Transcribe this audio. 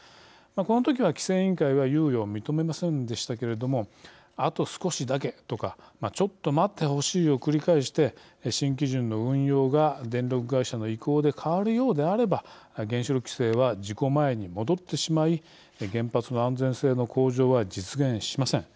このときは規制委員会は猶予を認めませんでしたけれどもあと少しだけとかちょっと待ってほしいを繰り返して、新基準の運用が電力会社の意向で変わるようであれば原子力規制は事故前に戻ってしまい原発の安全性の向上は実現しません。